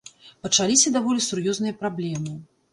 Пачаліся даволі сур'ёзныя праблемы.